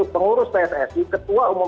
pengurus pssi ketua umum